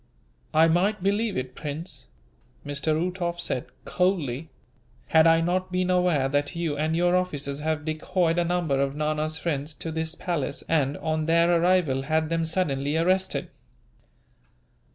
"I might believe it, Prince," Mr. Uhtoff said, coldly, "had I not been aware that you and your officers have decoyed a number of Nana's friends to this palace and, on their arrival, had them suddenly arrested."